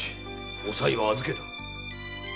おさいは預ける。